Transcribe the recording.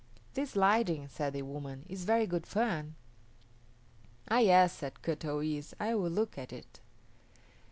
"This sliding," said the woman, "is very good fun." "Ah, yes," said Kut o yis´, "I will look at it."